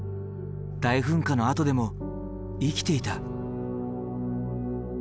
大噴火のあとでも生きていた。